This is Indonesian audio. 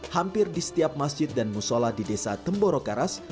hampir di setiap masjid dan musola di desa temboro karas